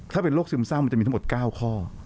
ถ้าเป็นโรคซึมเศร้ามันจะมีทั้งหมด๙ข้อ